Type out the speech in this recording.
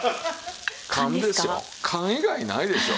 勘以外ないでしょう。